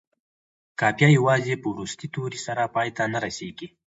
قافیه یوازې په وروستي توري سره پای ته نه رسيږي.